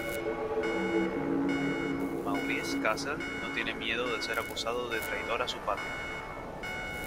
Maurice Castle no tiene miedo de ser acusado de traidor a su patria.